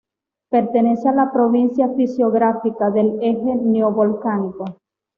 Pertenece a la Provincia Fisiográfica del Eje Neovolcánico.